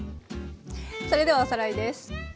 それではおさらいです。